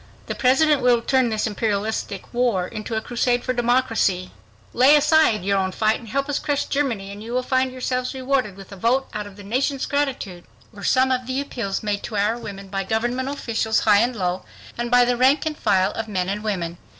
"The President will turn this Imperialistic war into a crusade for democracy." ... "Lay aside your own fight and help us crush Germany, and you will find yourselves rewarded with a vote out of the nation's gratitude," were some of the appeals made to our women by government officials high and low and by the rank and file of men and women.